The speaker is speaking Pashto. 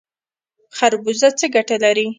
خربوزه څه ګټه لري؟